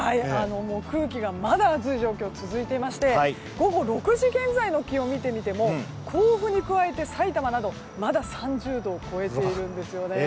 空気がまだ暑い状況が続いていまして午後６時現在の気温を見てみても甲府に加えて、さいたまなどまだ３０度を超えています。